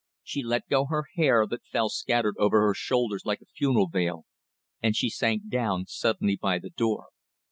She let go her hair, that fell scattered over her shoulders like a funeral veil, and she sank down suddenly by the door.